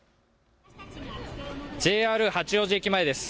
ＪＲ八王子駅前です。